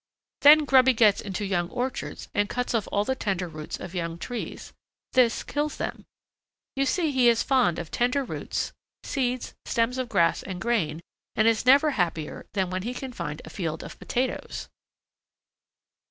Then Grubby gets into young orchards and cuts off all the tender roots of young trees. This kills them. You see he is fond of tender roots, seeds, stems of grass and grain, and is never happier than when he can find a field of potatoes.